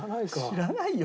知らないよ